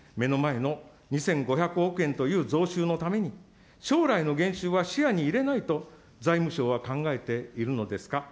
目の前の２５００億円という増収のために、将来の減収は視野に入れないと、財務省は考えているのですか。